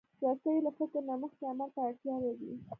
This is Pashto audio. رسۍ له فکر نه مخکې عمل ته اړتیا لري.